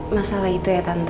masalah itu ya tante